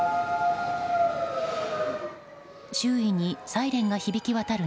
周囲にサイレンが響き渡る